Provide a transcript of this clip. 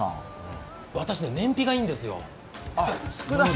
私ね、燃費がいいんですよ。